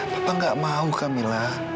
papa gak mau kamila